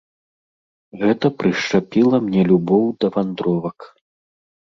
Гэта прышчапіла мне любоў да вандровак.